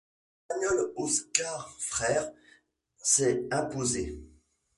L'Espagnol Óscar Freire s'est imposé.